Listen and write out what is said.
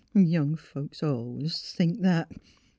Young folks al'ays thinks that.